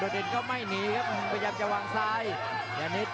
ประโยชน์ทอตอร์จานแสนชัยกับยานิลลาลีนี่ครับ